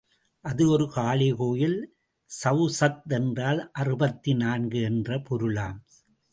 அது ஒரு காளி கோயில் சவுசத் என்றால் அறுபத்தி நான்கு என்று பொருளாம்.